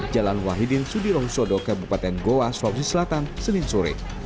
jalan wahidin sudirong sodo kabupaten goa sulawesi selatan senin suri